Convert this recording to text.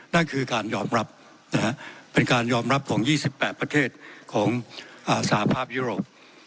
นั่นคือการยอมรับเป็นการยอมรับของ๒๘ประเทศของสหภาพยุโรป